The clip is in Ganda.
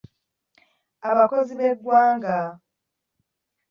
Abakozi b'eggwanga.